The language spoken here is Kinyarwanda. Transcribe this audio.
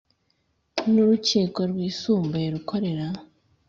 N urukiko rwisumbuye rukorera